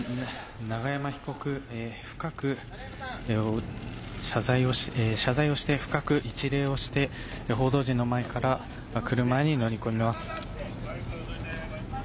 永山被告、謝罪をして、深く一礼をして報道陣の前から、車に乗り込みます。